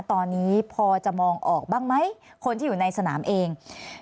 ตอนนี้พอจะมองออกบ้างไหมคนที่อยู่ในสนามเอง